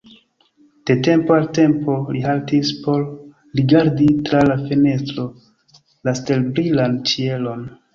De tempo al tempo li haltis por rigardi tra la fenestro la stelbrilan ĉielon.